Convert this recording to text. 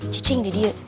cicing di dia